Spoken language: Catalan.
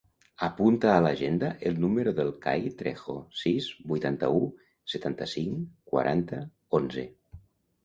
Apunta a l'agenda el número del Cai Trejo: sis, vuitanta-u, setanta-cinc, quaranta, onze.